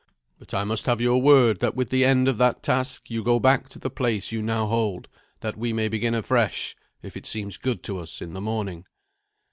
"But I must have your word that with the end of that task you go back to the place you now hold, that we may begin afresh, if it seems good to us, in the morning."